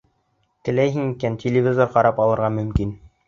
Теләйһең икән, телевизор ҡарап алырға мөмкин.